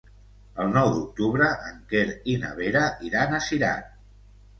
El nou d'octubre en Quer i na Vera iran a Cirat.